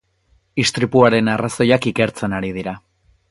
Istripuaren arrazoiak ikertzen ari dira.